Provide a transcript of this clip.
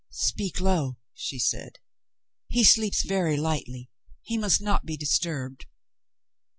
"Speak low," she said. "He sleeps very lightly; he must not be disturbed."